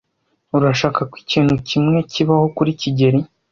Urashaka ko ikintu kimwe kibaho kuri kigeli?